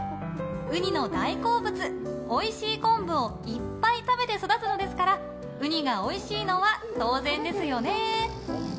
ウニの大好物、おいしい昆布をいっぱい食べて育つのですからウニがおいしいのは当然ですよね。